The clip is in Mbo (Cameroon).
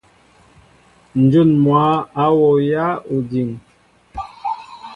Njŭn mwă a wowya ojiŋ.